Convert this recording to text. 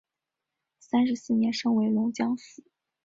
三十四年升为龙江府。